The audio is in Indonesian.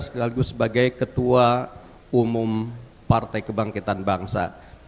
sekaligus sebagai ketua umum partai kebangkitan bangsa